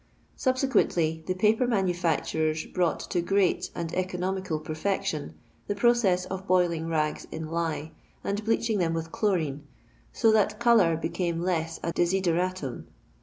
Subsequently the paper manufacturers brought to great and economicsl perfection the process of boiling ngs in We and bleaching them with chlorine, so Uiat colour becsme less a desideratum.